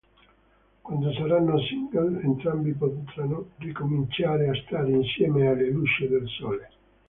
Quando saranno single entrambi potranno ricominciare a stare insieme alla luce del sole.